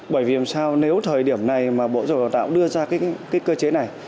bởi vì làm sao nếu thời điểm này mà bộ giáo hội tạo đưa ra cái cơ chế này